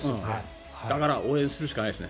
だから応援するしかないですね。